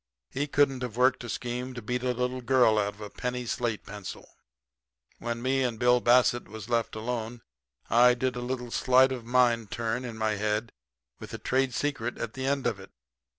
He couldn't have worked a scheme to beat a little girl out of a penny slate pencil. "When me and Bill Bassett was left alone I did a little sleight of mind turn in my head with a trade secret at the end of it.